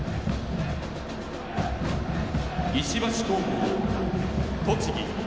石橋高校・栃木。